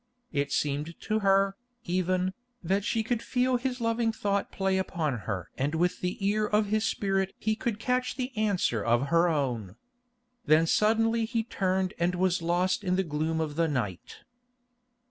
It seemed to her, even, that she could feel his loving thought play upon her and that with the ear of his spirit he could catch the answer of her own. Then suddenly he turned and was lost in the gloom of the night.